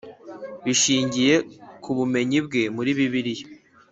bishingiye ku bumenyi bwe muri bibiliya